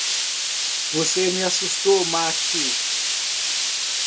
Você me assustou, Matty.